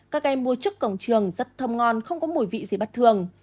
các em mua trước cổng trường rất thơm ngon không có mùi vị gì bất thường